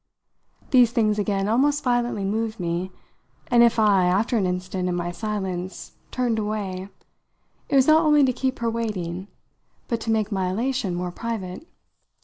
These things again almost violently moved me, and if I, after an instant, in my silence, turned away, it was not only to keep her waiting, but to make my elation more private.